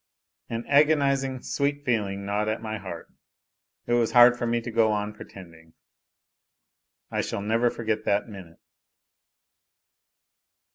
An agonizing, sweet feeling gnawed at my heart, it was hard for me to go on pretending. ... I shall never forget that minute